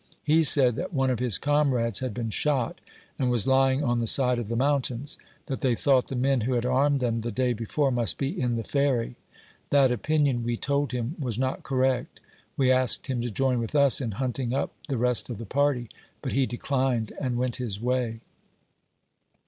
He said that one of his comrades had beet; shot, and was lying on the side of the mountains ; that they thought the men who had armed them the day before most be in the Ferry. That opinion, we told him, was not correct. We asked him to join with us in hunting up the rest of the party, but he declined, and went his way.